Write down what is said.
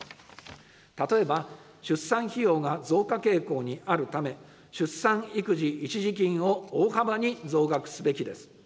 例えば、出産費用が増加傾向にあるため、出産育児一時金を大幅に増額すべきです。